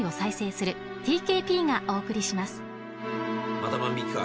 また万引か。